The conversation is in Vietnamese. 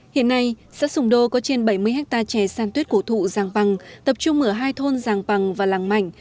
hiện nay xã sùng đô có trên bảy mươi hectare chè san tuyết cổ thụ giàng bằng tập trung ở hai thôn giàng bằng và làng mảnh